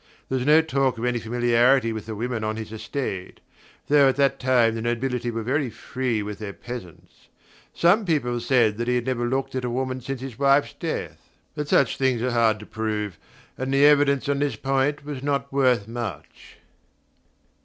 There was no talk of any familiarity with the women on his estate, though at that time the nobility were very free with their peasants. Some people said he had never looked at a woman since his wife's death; but such things are hard to prove, and the evidence on this point was not worth much.